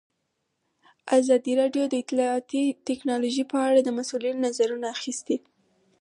ازادي راډیو د اطلاعاتی تکنالوژي په اړه د مسؤلینو نظرونه اخیستي.